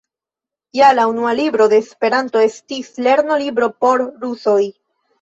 Ja la unua libro de Esperanto estis lerno-libro por rusoj.